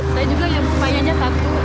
saya juga yang bukanya aja satu